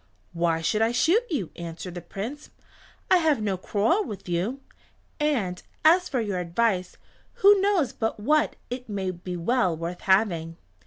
"Why should I shoot you?" answered the Prince. "I have no quarrel with you. And as for your advice, who knows but what it may be well worth having?"